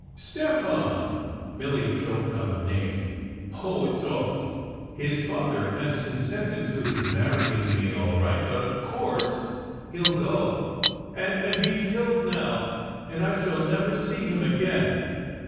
" Stefan !" Milly choked on the name. " Oh, it s awful ! His father has consented to his marrying me all right, but of course he ll go and and be killed now, and I shall never see him again!